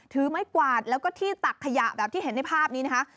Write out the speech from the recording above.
ถือไม้กวาดแล้วก็ที่ตักขยะแบบที่เห็นในภาพนี้นะคะ